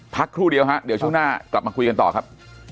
ครู่เดียวฮะเดี๋ยวช่วงหน้ากลับมาคุยกันต่อครับ